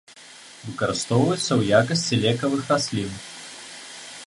Выкарыстоўваюцца ў якасці лекавых раслін.